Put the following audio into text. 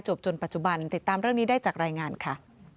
จนปัจจุบันติดตามเรื่องนี้ได้จากรายงานค่ะ